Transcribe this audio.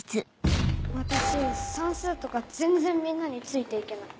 私算数とか全然みんなについて行けない。